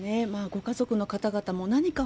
ご家族の方々も何か